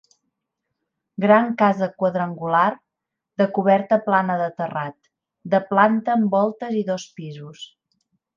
Gran casa quadrangular, de coberta plana de terrat, de planta amb voltes i dos pisos.